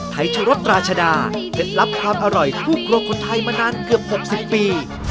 ไทยชะรสราชดาเคล็ดลับความอร่อยคู่ครัวคนไทยมานานเกือบ๖๐ปี